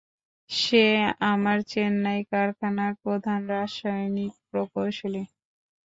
সে আমাদের চেন্নাই কারখানার প্রধান রাসায়নিক প্রকৌশলী।